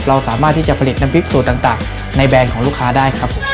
เราสามารถที่จะผลิตน้ำพริกสูตรต่างในแบรนด์ของลูกค้าได้ครับ